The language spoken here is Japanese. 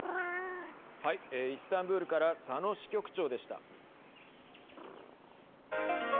イスタンブールから佐野支局長でした。